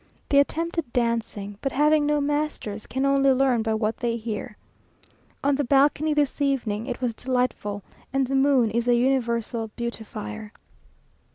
They attempted dancing, but having no masters, can only learn by what they hear. On the balcony this evening, it was delightful, and the moon is a universal beautifier.